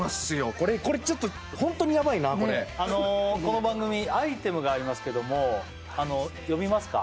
これちょっとホントにやばいなこの番組アイテムがありますけども呼びますか？